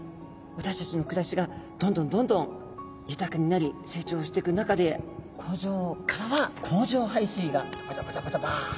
私たちの暮らしがどんどんどんどん豊かになり成長していく中で工場からは工場排水がドバドバドバドバ。